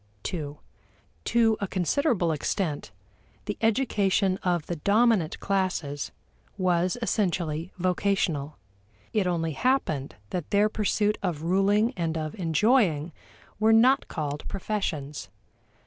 (ii) To a considerable extent, the education of the dominant classes was essentially vocational it only happened that their pursuits of ruling and of enjoying were not called professions.